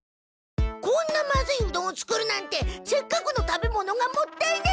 こんなまずいうどんを作るなんてせっかくの食べ物がもったいない！